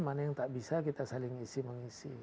mana yang tak bisa kita saling isi mengisi